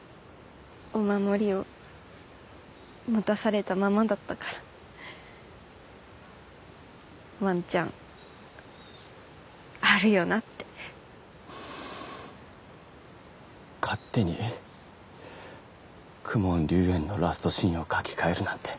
お守りを待たされたままだったからワンチャンあるよなって勝手に公文竜炎のラストシーンを書き換えるなんて